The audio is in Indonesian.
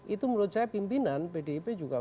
itu menurut saya pimpinan pdip juga